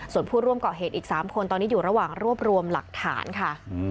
ส่วนผู้ร่วมเกาะเหตุอีก๓คนตอนนี้อยู่ระหว่างรวบรวมหลักฐานค่ะ